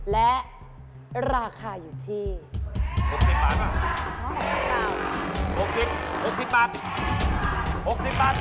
และราคาอยู่ที่๖๐บาท